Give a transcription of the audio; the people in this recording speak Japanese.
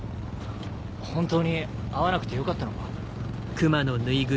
ホントに会わなくてよかったのか？